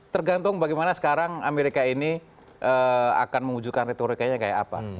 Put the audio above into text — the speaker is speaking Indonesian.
tergantung bagaimana sekarang amerika ini akan mewujudkan retorikanya kayak apa